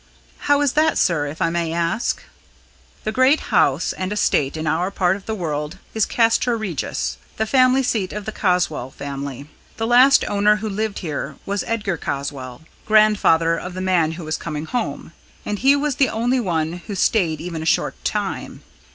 "How is that, sir, if I may ask?" "The great house and estate in our part of the world is Castra Regis, the family seat of the Caswall family. The last owner who lived here was Edgar Caswall, grandfather of the man who is coming here and he was the only one who stayed even a short time.